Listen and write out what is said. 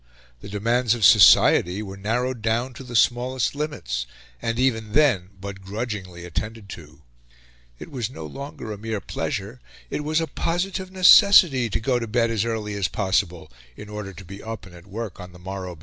The demands of society were narrowed down to the smallest limits, and even then but grudgingly attended to. It was no longer a mere pleasure, it was a positive necessity, to go to bed as early as possible in order to be up and at work on the morrow betimes.